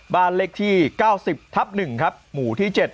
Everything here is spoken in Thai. บ้านเลขที่๙๐ทับ๑ครับหมู่ที่๗